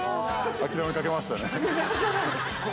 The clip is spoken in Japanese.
諦めかけましたね。